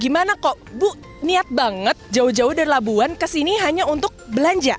gimana kok bu niat banget jauh jauh dari labuan kesini hanya untuk belanja